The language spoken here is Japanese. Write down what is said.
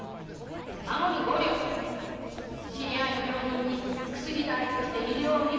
孫に五両知り合いの病人に薬代として二両。